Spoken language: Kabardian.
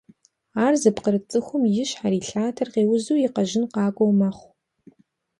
Ар зыпкъырыт цӀыхум и щхьэр, и лъатэр къеузу, и къэжьын къакӀуэу мэхъу.